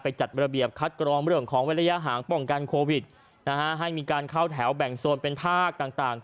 จัดระเบียบคัดกรองเรื่องของเว้นระยะห่างป้องกันโควิดนะฮะให้มีการเข้าแถวแบ่งโซนเป็นภาคต่าง